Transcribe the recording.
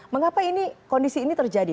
mengapa kondisi ini terjadi